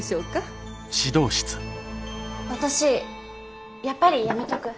私やっぱりやめとく。